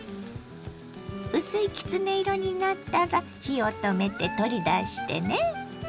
薄いきつね色になったら火を止めて取り出してね。